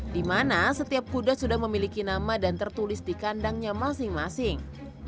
di mana setiap kuda sudah memiliki nama dan tertulis di kandangnya masing masing